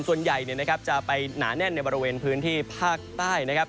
ส่วนใหญ่จะไปหนาแน่นในบริเวณพื้นที่ภาคใต้นะครับ